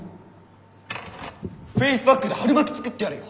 フェイスパックで春巻き作ってやるよ！